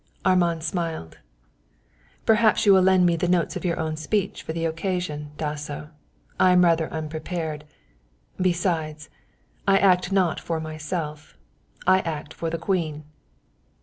Armand smiled. "Perhaps you will lend me the notes of your own speech for the occasion, Dasso; I am rather unprepared. Besides, I do not act for myself, I act for the Queen."